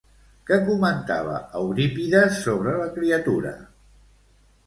Què comentava Eurípides sobre la criatura?